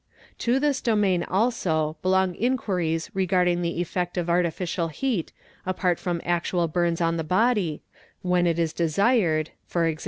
To this domain also belong inquiries regarding the effect of artificial heat apart from actual burns on the body, when it is desired, e.g.